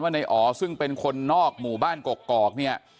ว่านายอ๋อซึ่งเป็นคนนอกหมู่บ้านกรอก